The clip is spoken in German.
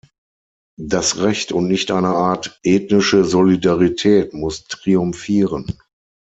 Das Recht und nicht eine Art ethnische Solidarität muss triumphieren.